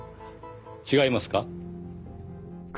違いますか？